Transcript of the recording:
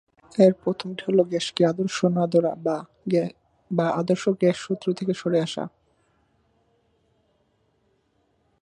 এর প্রথমটি হল, গ্যাসকে আদর্শ না ধরা বা আদর্শ গ্যাস সূত্র থেকে সরে আসা।